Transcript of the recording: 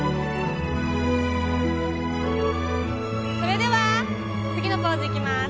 それでは次のポーズいきます